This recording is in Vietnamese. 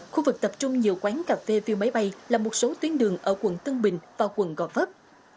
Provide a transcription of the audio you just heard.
khu vực tập trung nhiều quán cà phê view máy bay là một số tuyến đường ở quận tân bình và quận gò vấp